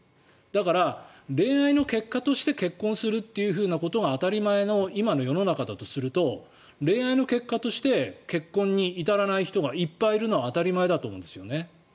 だから、恋愛の結果として結婚するということが当たり前の今の世の中だとすると恋愛の結果として結婚に至らない人がいっぱいいるのは当たり前だと思うんですよね。